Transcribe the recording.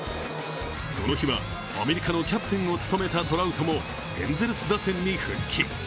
この日はアメリカのキャプテンを務めたトラウトもエンゼルス打線に復帰。